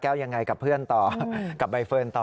ยังไงกับเพื่อนต่อกับใบเฟิร์นต่อ